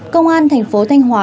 công an tp thanh hóa